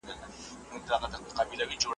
یخ یې ووتی له زړه او له بدنه .